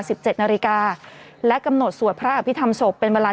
สิบเจ็ดนาฬิกาและกำหนดสวดพระอภิษฐรรมศพเป็นเวลา